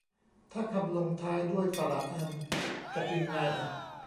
ถ้าคำลงท้ายด้วย สระอำ จะพิมพ์ไงอะ